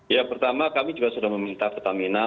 ya pertama kami juga sudah meminta pertamina